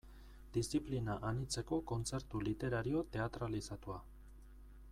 Diziplina anitzeko kontzertu literario teatralizatua.